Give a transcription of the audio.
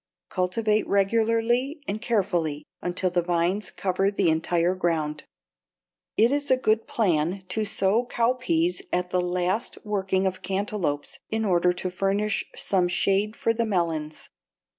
Cultivate regularly and carefully until the vines cover the entire ground. It is a good plan to sow cowpeas at the last working of cantaloupes, in order to furnish some shade for the melons.